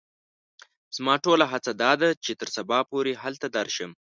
زما ټوله هڅه دا ده چې تر سبا پوري هلته درشم.